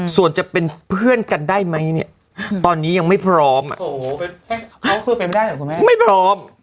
ส่วนจะเป็นเพื่อนกันได้ไหมเนี้ยตอนนี้ยังไม่พร้อมอ่ะโอ้โห